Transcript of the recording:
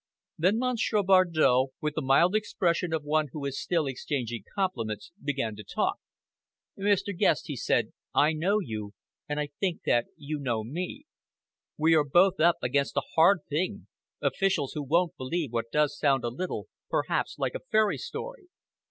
Then Monsieur Bardow, with the mild expression of one who is still exchanging compliments, began to talk. "Mr. Guest," he said, "I know you, and I think that you know me. We are both up against a hard thing officials, who won't believe what does sound a little, perhaps, like a fairy story.